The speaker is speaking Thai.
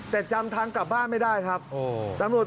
แต่จำทางกลับบ้านไม่ได้ครับตำรวจ